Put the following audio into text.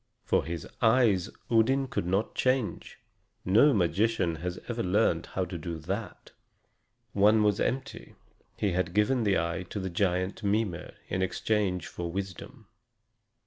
For his eyes Odin could not change no magician has ever learned how to do that. One was empty; he had given the eye to the giant Mimer in exchange for wisdom.